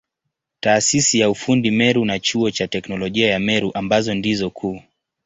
Taasisi ya ufundi Meru na Chuo cha Teknolojia ya Meru ambazo ndizo kuu.